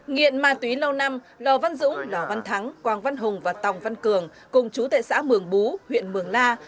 nghiện ma túy lâu năm lò văn dũng lò văn thắng quang văn hùng và tòng văn cường cùng chú tệ xã mường bú huyện mường la